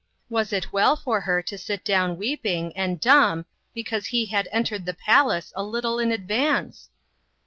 Was it well for her to sit down weeping, and dumb, because he had entered the palace a little in advance